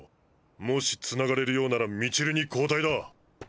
もしつながれるようなら道塁に交代だ！